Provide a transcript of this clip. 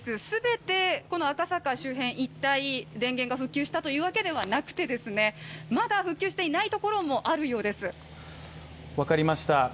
全てこの赤坂周辺一帯電源が復旧したというわけではなくて、まだ復旧していないところもあるようです。